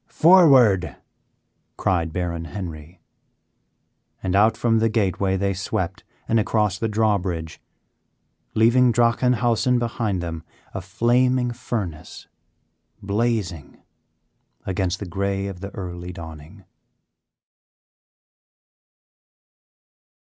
"Forward!" cried Baron Henry, and out from the gateway they swept and across the drawbridge, leaving Drachenhausen behind them a flaming furnace blazing against the gray of the early dawning.